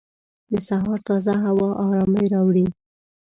د سهار تازه هوا ارامۍ راوړي.